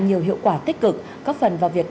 nhiều hiệu quả tích cực có phần vào việc